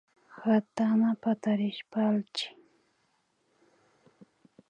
Katana patarishpa allchi